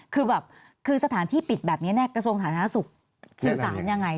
คือสถานที่ปิดแบบนี้แน่กระทรวงศาลนาศุกร์สื่อสารยังไง